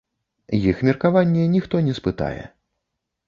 Іх меркаванне ніхто не спытае.